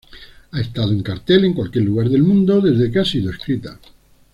Ha estado en cartel en cualquier lugar del mundo desde que ha sido escrita.